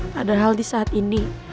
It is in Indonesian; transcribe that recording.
padahal disaat ini